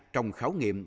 trong khảo nghiệm